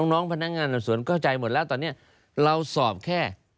น้องพนักงานสอบสวนเข้าใจหมดแล้วตอนนี้เราสอบแค่